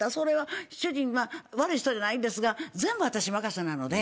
主人は悪い人じゃないんですが全部私任せなので。